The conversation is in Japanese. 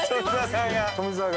富澤が。